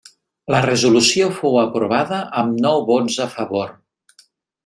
La resolució fou aprovada amb nou vots a favor.